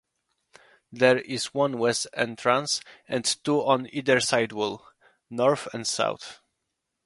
There is one west entrance and two on either side wall (north and south).